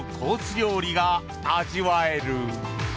料理が味わえる。